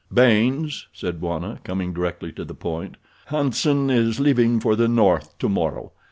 "Baynes," said Bwana, coming directly to the point, "Hanson is leaving for the north tomorrow.